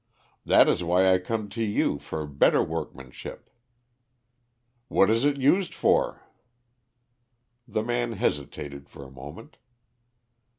"That is why I come to you for better workmanship." "What is it used for?" The man hesitated for a moment.